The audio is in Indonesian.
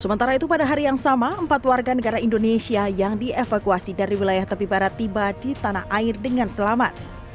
sementara itu pada hari yang sama empat warga negara indonesia yang dievakuasi dari wilayah tepi barat tiba di tanah air dengan selamat